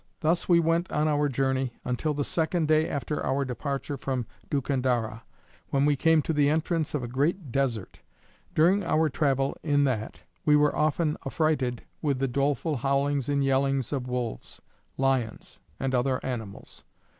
Thus we went on our journey until the second day after our departure from Dukandarra, when we came to the entrance of a great desert. During our travel in that we were often affrighted with the doleful howlings and yellings of wolves, lions, and other animals.